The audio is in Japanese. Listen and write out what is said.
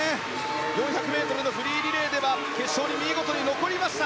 ４００ｍのフリーリレーでは決勝に見事に残りました。